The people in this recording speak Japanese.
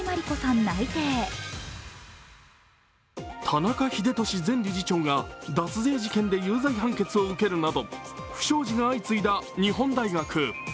田中英寿前理事長が脱税事件で有罪判決を受けるなど不祥事が相次いだ日本大学。